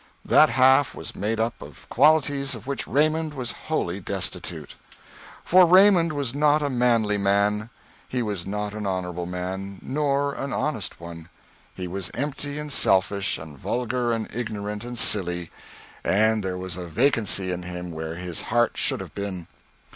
That half was made up of qualities of which Raymond was wholly destitute. For Raymond was not a manly man, he was not an honorable man nor an honest one, he was empty and selfish and vulgar and ignorant and silly, and there was a vacancy in him where his heart should have been.